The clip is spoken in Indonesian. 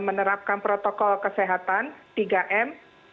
menerapkan protokol kesehatan tiga m